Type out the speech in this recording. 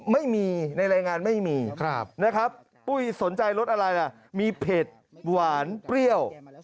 ไม่มีในรายงานไม่มีนะครับปุ้ยสนใจรสอะไรล่ะมีเผ็ดหวานเปรี้ยว